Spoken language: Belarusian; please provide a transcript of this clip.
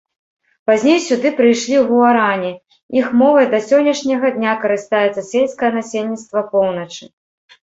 Пазней сюды прыйшлі гуарані, іх мовай да сённяшняга дня карыстаецца сельскае насельніцтва поўначы.